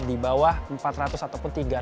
di bawah empat ratus ataupun tiga ratus